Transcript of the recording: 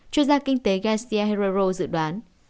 chuyên gia kinh tế garcia herrero dự đoán